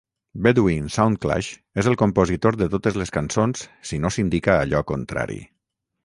Bedouin Soundclash és el compositor de totes les cançons, si no s"indica allò contrari.